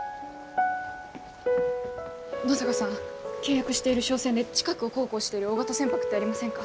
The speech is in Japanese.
野坂さん契約している商船で近くを航行している大型船舶ってありませんか？